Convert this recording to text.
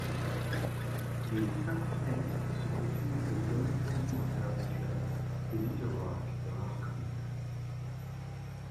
Les cinq finalistes sont reçus au Downtown Rotary Club de Little Rock dans l'Arkansas.